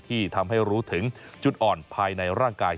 ที่ทำให้รู้ถึงจุดอ่อนภายในร่างกาย